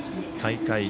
大会